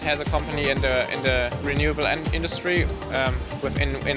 ayah saya punya perusahaan di industri kondisi hidup